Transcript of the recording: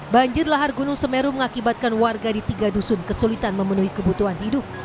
banjir lahar gunung semeru mengakibatkan warga di tiga dusun kesulitan memenuhi kebutuhan hidup